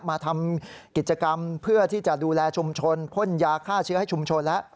มาทำกิจกรรมเพื่อที่จะดูแลชุมชนพ่นยาฆ่าเชื้อให้ชุมชนแล้ว